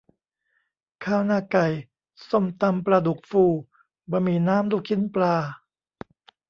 ข้าวหน้าไก่ ส้มตำปลาดุกฟู บะหมี่น้ำลูกชิ้นปลา